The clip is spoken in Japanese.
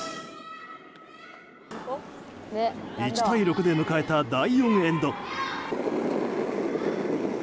１対６で迎えた第４エンド。